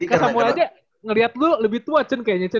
kakak mulai aja ngeliat lu lebih tua cen kayaknya cen